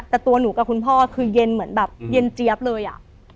แต่ตัวหนูกับคุณพ่อคือเย็นเหมือนแบบเย็นเจี๊ยบเลยอ่ะ